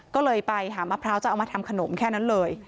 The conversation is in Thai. ก็เลยไปหามะพร้าวจะเอามาทำขนมแค่นั้นเลย